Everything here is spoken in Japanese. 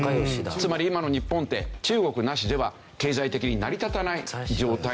つまり今の日本って中国なしでは経済的に成り立たない状態になっている。